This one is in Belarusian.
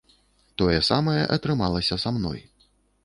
Тое самае атрымалася са мной.